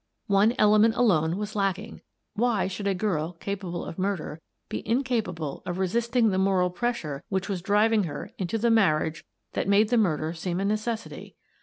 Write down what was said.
One element alone was lacking: Why should a girl capable of murder be incapable of resisting the moral pressure which was driving her into the marriage that made the murder seem a necessity?